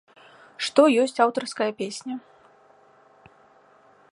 Што ёсць аўтарская песня?